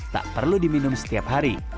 tak perlu diminum setiap hari